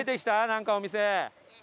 なんかお店。